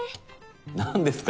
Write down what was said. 何ですか？